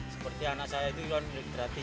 seperti anak saya itu jualan gratis